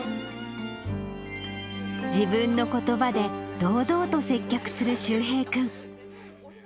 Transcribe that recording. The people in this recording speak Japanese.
自分のことばで堂々と接客する柊平君。